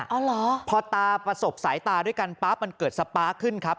อ๋อเหรอพอตาประสบสายตาด้วยกันปั๊บมันเกิดสปาร์คขึ้นครับ